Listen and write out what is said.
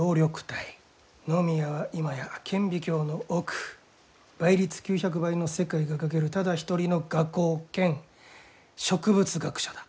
野宮は今や顕微鏡の奥倍率９００倍の世界が描けるただ一人の画工兼植物学者だ。